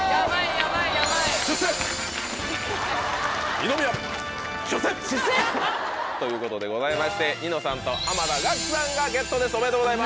二宮出世！ということでございましてニノさんと濱田岳さんがゲットですおめでとうございます。